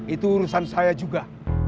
itu urusan saya juga